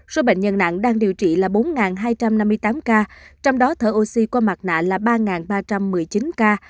số bệnh nhân nặng đang điều trị là bốn hai trăm năm mươi tám ca trong đó thở oxy qua mặt nạ là ba ba trăm một mươi chín ca